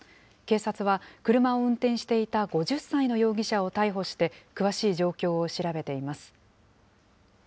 警察は、車を運転していた５０歳の容疑者を逮捕して、詳しい状況を調べています。